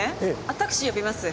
タクシー呼びます。